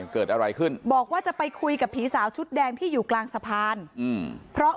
เมื่อเวลาอันดับอันดับอันดับอันดับ